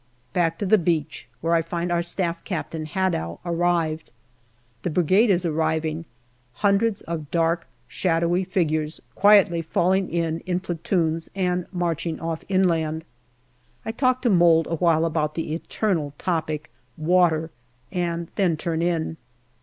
Back to the beach, where I find our Staff Captain, Hadow, arrived. The Brigade is arriving, hundreds of dark, shadowy figures quietly falling in in platoons and marching off inland. I talk to Mould awhile about the eternal topic water and then turn in.